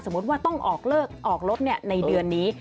ว่าต้องออกเลิกออกรถในเดือนนี้